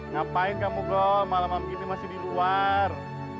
ngapain kamu gol malam malam gini masih di luar